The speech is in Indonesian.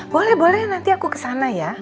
boleh boleh nanti aku ke sana ya